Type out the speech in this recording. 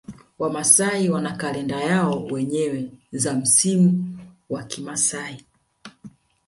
Wamasai wana kalenda yao wenyewe za msimu wa kimasai